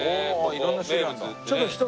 色んな種類あるんだ。